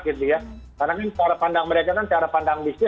karena kan cara pandang mereka kan cara pandang bisnis